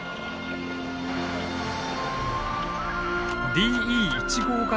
ＤＥ１５形